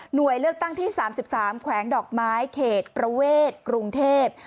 โดยเลือกตั้งที่๓๓แขวงดอกไม้เขตประเวทกรุงเทพ